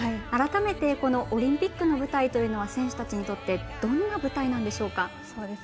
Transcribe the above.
改めて、このオリンピックの舞台というのは選手たちにとってどんな舞台なんでしょうか。